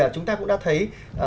chúng ta cũng đã thấy